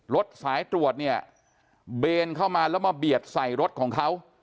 รถสายตรวจเนี่ยเบนเข้ามาแล้วมาเบียดใส่รถของเขา